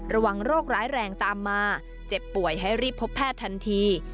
ระวังโรคร้ายแรงตามมาเจ็บป่วยให้รีบพบแพทย์ทันที